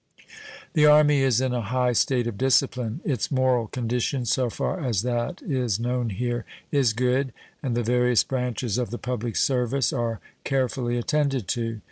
The Army is in a high state of discipline. Its moral condition, so far as that is known here, is good, and the various branches of the public service are carefully attended to.